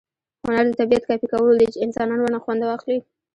هنر د طبیعت کاپي کول دي، چي انسانان ورنه خوند واخلي.